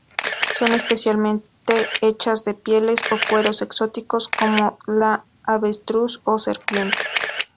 Son especialmente hechas de pieles o cueros exóticos como la avestruz o serpiente.